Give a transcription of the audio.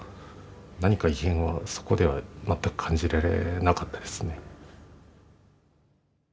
何か異変はそこでは全く感じられなかったですね。